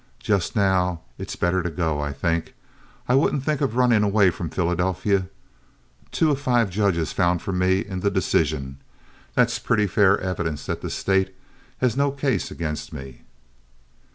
Just now it's better to go, I think. I wouldn't think of running away from Philadelphia. Two of five judges found for me in the decision. That's pretty fair evidence that the State has no case against me."